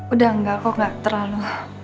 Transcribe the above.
udah enggak kok gak terlalu